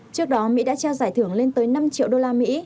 trước đó mỹ đã trao giải thưởng lên tới năm triệu đô la mỹ